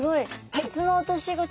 はい。